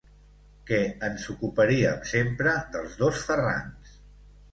Que ens ocuparíem sempre dels dos Ferrans.